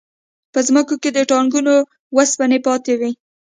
په ځمکو کې د ټانکونو وسپنې پاتې وې